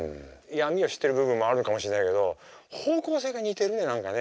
闇を知ってる部分もあるのかもしれないけど方向性が似てるね何かね。